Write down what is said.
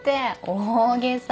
大げさ。